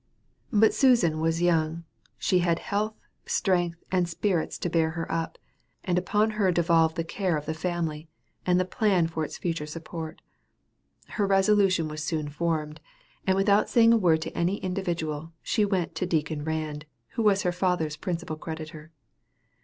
But Susan was young; she had health, strength, and spirits to bear her up, and upon her devolved the care of the family, and the plan for its future support. Her resolution was soon formed; and without saying a word to any individual, she went to Deacon Rand, who was her father's principal creditor.